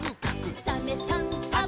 「サメさんサバさん」